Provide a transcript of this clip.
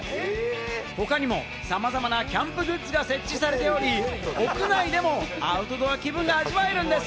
他にもさまざまなキャンプグッズが設置されており、屋内でもアウトドア気分があじわえるんです。